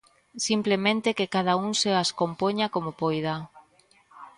Simplemente, que cada un se as compoña como poida.